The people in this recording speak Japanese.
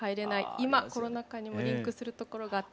今コロナ禍にもリンクするところがあって。